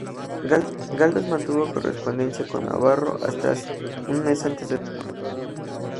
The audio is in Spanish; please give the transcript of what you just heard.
Galdós mantuvo correspondencia con Navarro hasta un mes antes de su muerte.